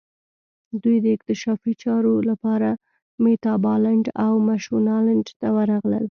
دوی د اکتشافي چارو لپاره میتابالنډ او مشونالند ته ورغلل.